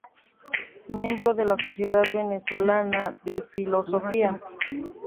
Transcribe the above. Miembro de la Sociedad Venezolana de Filosofía.